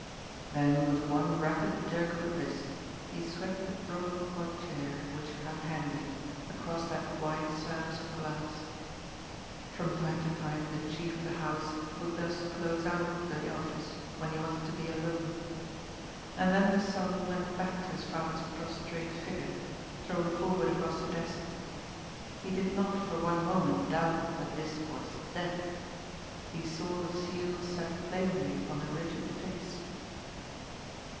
Then with one rapid jerk of the wrist he swept the broad " portiere," which hung handy, across that wide surface of glass. From time to time the chief of the house would thus close out the office, when he wanted to be alone. And then the son went back to his father's prostrate figure, thrown forward across the desk. He did not for one moment doubt that this was death. He saw the seal set plainly upon the rigid face.